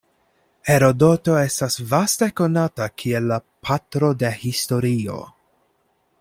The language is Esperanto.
Herodoto estas vaste konata kiel la "patro de historio".